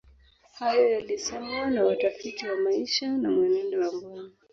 hayo yalisemwa na watafiti wa maisha na mwenendo wa mbuni